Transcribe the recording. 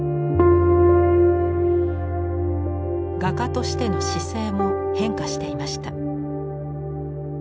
画家としての姿勢も変化していました。